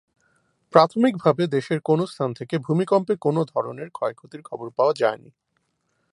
প্রাথমিকভাবে দেশের কোনো স্থান থেকে ভূমিকম্পে কোনো ধরনের ক্ষয়ক্ষতির খবর পাওয়া যায়নি।